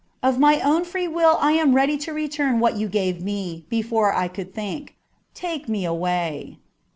Of my own free will I am ready to return what you gave me before I could think : take me away.'